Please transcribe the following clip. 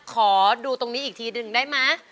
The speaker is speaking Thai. ขอดูตรงนี้อีกทีหนึ่งได้ไหม